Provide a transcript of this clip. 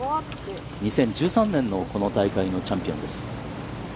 ２０１３年のこの大会のチャンピオンです。